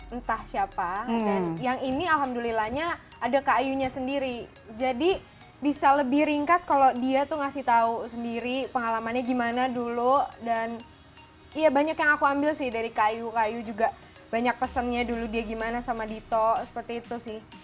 entah siapa dan yang ini alhamdulillahnya ada kayunya sendiri jadi bisa lebih ringkas kalau dia tuh ngasih tahu sendiri pengalamannya gimana dulu dan ya banyak yang aku ambil sih dari kayu kayu juga banyak pesennya dulu dia gimana sama dito seperti itu sih